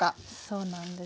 そうなんです。